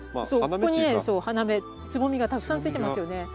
そうここにねそう花芽つぼみがたくさんついてますよね。